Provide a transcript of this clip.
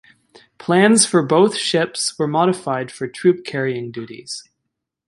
Plans for both ships were modified for troop-carrying duties.